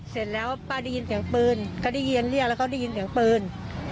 เสร็จแล้วป้าได้ยินเสียงปืนก็ได้ยินเรียกแล้วก็ได้ยินเสียงปืน